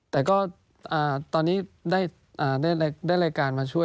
แต่ก็ตอนนี้ได้รายการมาช่วย